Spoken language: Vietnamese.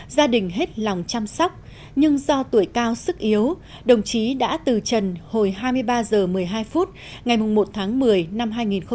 gia đình hết lòng chăm sóc nhưng do tuổi cao sức yếu đồng chí đã từ trần hồi hai mươi ba h một mươi hai phút ngày một tháng một mươi năm hai nghìn một mươi chín